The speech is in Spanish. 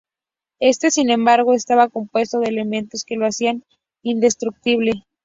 Este, sin embargo, estaba compuesto de elementos que lo hacían indestructible.